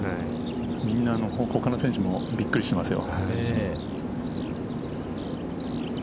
みんな他の選手もびっくりしますよ。